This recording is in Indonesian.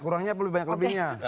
kurangnya apa lebih banyak lebihnya